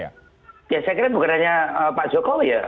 ya saya kira bukan hanya pak jokowi ya